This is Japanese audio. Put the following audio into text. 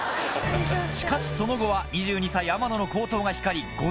しかしその後は２２歳天野の好投が光り５対１。